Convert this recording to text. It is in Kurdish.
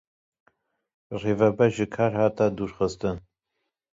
Rêveber ji kar hat dûrxistin.